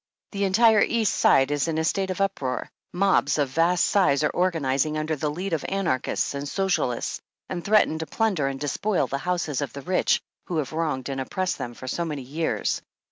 The entire East side is in a state of uproar. Mobs of vast size are organizing under the lead of Anarchists and Socialists, and threaten to plunder and despoil the houses of the rich who have wronged and oppressed them for so many years.